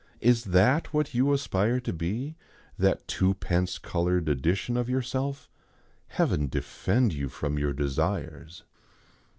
Is that what you aspire to be, that twopence coloured edition of yourself? Heaven defend you from your desires!